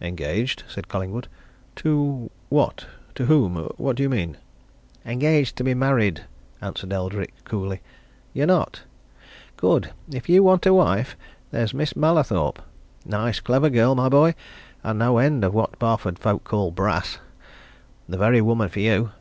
"Engaged?" said Collingwood. "To what to whom what do you mean?" "Engaged to be married," answered Eldrick coolly. "You're not? Good! If you want a wife, there's Miss Mallathorpe. Nice, clever girl, my boy and no end of what Barford folk call brass. The very woman for you."